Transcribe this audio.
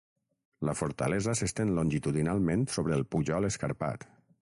La fortalesa s'estén longitudinalment sobre el pujol escarpat.